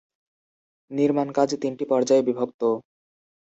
নির্মাণকাজ তিনটি পর্যায়ে বিভক্ত।